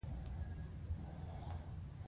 د ټاکنو چورلیز پر یوې ځانګړې موضوع را څرخېده.